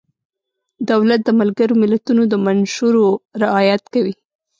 دولت د ملګرو ملتونو د منشورو رعایت کوي.